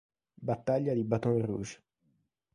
Battaglia di Baton Rouge